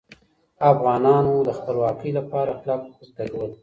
افغانانو د خپلواکۍ لپاره کلک هوډ درلود.